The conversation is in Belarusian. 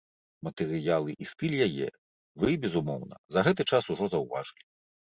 Матэрыялы і стыль яе вы, безумоўна, за гэты час ужо заўважылі.